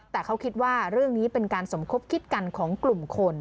แต่เขาคิดว่าเรื่องนี้เป็นการสมคบคิดกันของกลุ่มคน